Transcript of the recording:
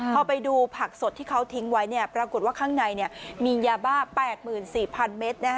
พอไปดูผักสดที่เขาทิ้งไว้ปรากฏว่าข้างในมียาบ้า๘๔๐๐๐เมตร